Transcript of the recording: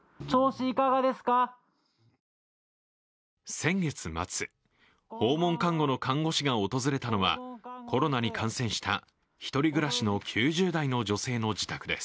先月末、訪問看護の看護師が訪れたのはコロナに感染した１人暮らしの９０代の女性の自宅です